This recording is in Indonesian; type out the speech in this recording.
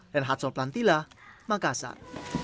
dan hati hati pelantilah makassar